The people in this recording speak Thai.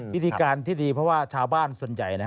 วิธีการที่ดีเพราะว่าชาวบ้านส่วนใหญ่